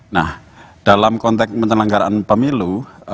nah dalam konteks penyelenggaraan pemilu